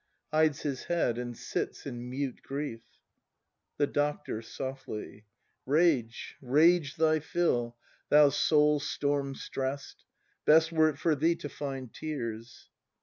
[Hides his head, and sits in mute grief. The Doctor. [Softly.] Rage, rage thy fill, thou soul storm stress'd ;— Best were it for thee to find tears.